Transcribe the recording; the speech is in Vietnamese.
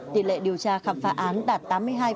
tỷ lệ điều tra khám phá án đạt tám mươi hai